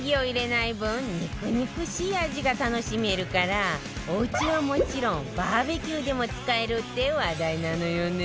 肉肉しい味が楽しめるからおうちはもちろんバーベキューでも使えるって話題なのよね